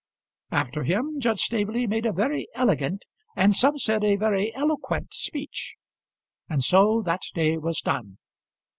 After him Judge Staveley made a very elegant, and some said, a very eloquent speech; and so that day was done.